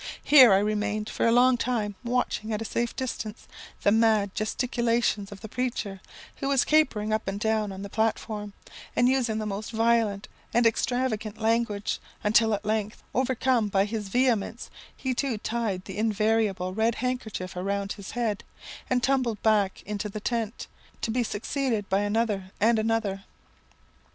Here I remained for a long time, watching, at a safe distance, the mad gesticulations of the preacher, who was capering up and down on the platform, and using the most violent and extravagant language, until at length, overcome by his vehemence, he too tied the invariable red handkerchief round his head, and tumbled back into the tent, to be succeeded by another and another.